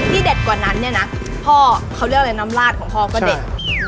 เด็ดกว่านั้นเนี่ยนะพ่อเขาเรียกอะไรน้ำลาดของพ่อก็เด็ด